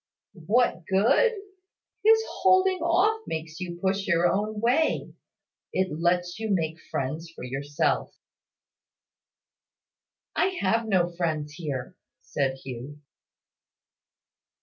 "What good? His holding off makes you push your own way. It lets you make friends for yourself." "I have no friends here," said Hugh.